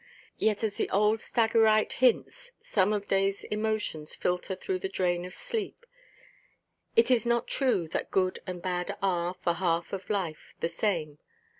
Yet as the old Stagyrite hints, some of dayʼs emotions filter through the strain of sleep; it is not true that good and bad are, for half of life, the same.